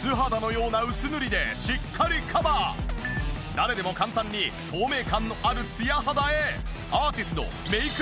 誰でも簡単に透明感のあるツヤ肌へ。